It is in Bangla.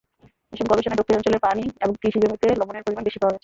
এসব গবেষণায় দক্ষিণাঞ্চলের পানি এবং কৃষি জমিতে লবণের পরিমাণ বেশি পাওয়া গেছে।